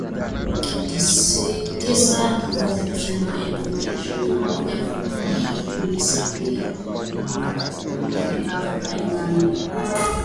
Tisa mwezi Disemba elfu mbili ishirini na moja, ikiwasilisha ukuaji wa asilimia arobaini na nne.